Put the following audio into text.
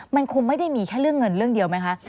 มันคงไม่ได้มีแค่เรื่องเงินเรื่องเดียวไหมคะ